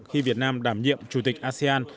khi việt nam đảm nhiệm chủ tịch asean